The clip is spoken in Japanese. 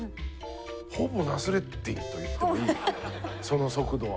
ほぼナスレッディンと言ってもいいその速度は。